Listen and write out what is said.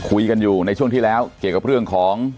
คุยกันอยู่ในช่วงที่แล้วเกี่ยวกับเรื่องของ